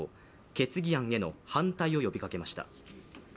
決議案への反対を呼びかけました。